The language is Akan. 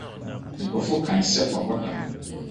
Nkurɔfo kae sɛ wabɔ dam.